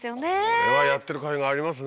これはやってるかいありますね。